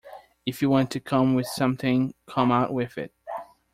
If you want to come with something, come out with it!